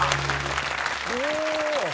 お！